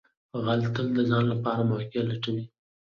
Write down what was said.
غل تل د ځان لپاره موقع لټوي